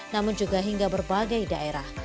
namun juga hingga berbagai daerah